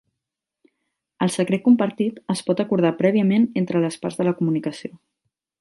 El secret compartit es pot acordar prèviament entre les parts de la comunicació.